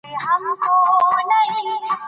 زه د اضطراب د کمولو لپاره تمرینونه کوم.